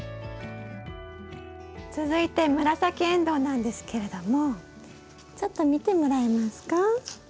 続いて紫エンドウなんですけれどもちょっと見てもらえますか？